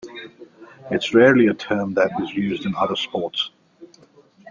It is rarely a term that is used in other sports.